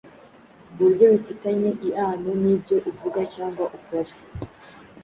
uburyo bifitanye iano nibyo uvuga cyangwa ukora